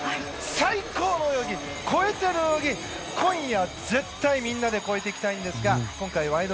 最高の泳ぎ、超えてる泳ぎ今夜絶対みんなで超えていきたいんですが今回「ワイド！